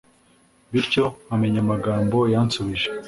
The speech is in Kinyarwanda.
bityo nkamenya amagambo yansubiza